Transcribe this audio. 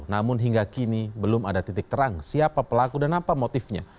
namun hingga kini belum ada titik terang siapa pelaku dan apa motifnya